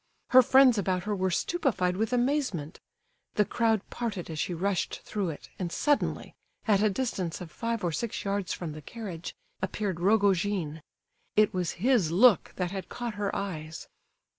Her friends about her were stupefied with amazement; the crowd parted as she rushed through it, and suddenly, at a distance of five or six yards from the carriage, appeared Rogojin. It was his look that had caught her eyes.